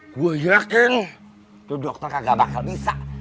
gue yakin tuh dokter kagak bisa